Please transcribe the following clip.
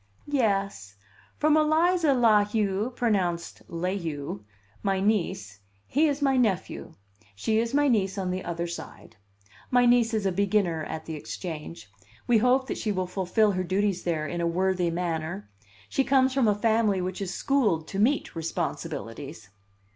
"Yes. From Eliza La Heu (pronounced Layhew), my niece; he is my nephew, she is my niece on the other side. My niece is a beginner at the Exchange. We hope that she will fulfil her duties there in a worthy manner. She comes from a family which is schooled to meet responsibilities."